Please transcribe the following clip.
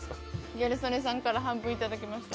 ギャル曽根さんから半分いただきました。